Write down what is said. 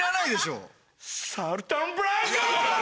・サルタン・ブランコ！